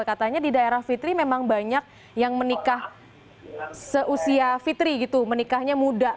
katanya di daerah fitri memang banyak yang menikah seusia fitri gitu menikahnya muda